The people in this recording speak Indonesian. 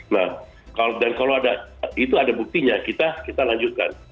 nah dan kalau ada buktinya kita lanjutkan